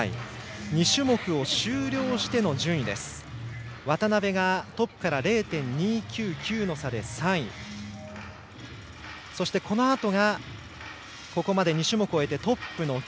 ２種目終了しての順位深沢がトップから０．２９９の差で３位そしてこのあとが、ここまで２種目を終えてトップの岸。